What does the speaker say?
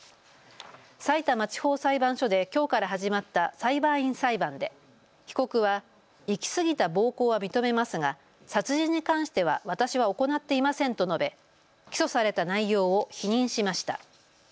さいたま地方裁判所できょうから始まった裁判員裁判で被告はいきすぎた暴行は認めますが殺人に関しては私は行っていませんと述べ、起訴された内容を否認しました。